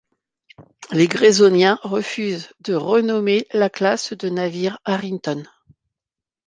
Les graysoniens refusent de renommer la classe de navires Harrington.